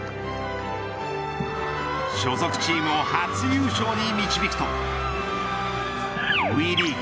所属チームを初優勝に導くとＷＥリーグ